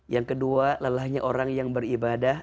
yang kedua lelahnya orang yang beribadah